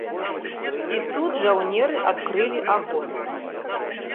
І тут жаўнеры адкрылі агонь.